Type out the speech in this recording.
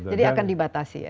jadi akan dibatasi ya